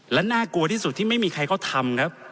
และน่ากลัวที่สุดที่ไม่มีใครเขาทำครับ